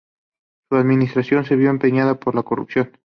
Su administración se vio empañada por la corrupción.